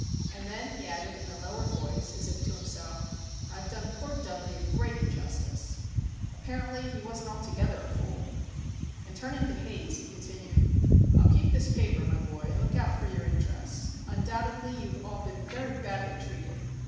And then he added in a lower tone, as if to himself:—"I've done poor Dudley a great injustice. Apparently he wasn't altogether a fool." And, turning to Haze, he continued, "I'll keep this paper, my boy, and look out for your interests. Undoubtedly you have all been very badly treated.